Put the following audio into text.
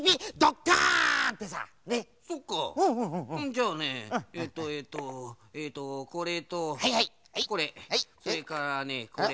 じゃあねえとえとえとこれとこれそれからねこれ。